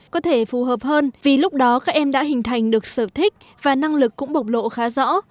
có thể phù hợp hơn vì lúc đó các em đã hình thành được sở thích và năng lực cũng bộc lộ khá rõ